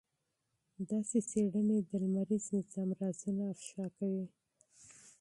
داسې څېړنې د لمریز نظام رازونه افشا کوي.